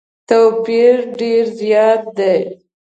توپیر ډېر زیات دی.